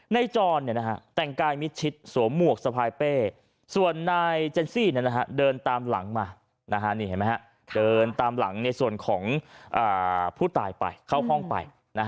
ในจรแต่งกายมิชชิตสวมมวกสภายเป้ส่วนนายเจนซี่เดินตามหลังในส่วนของผู้ตายเข้าห้องไป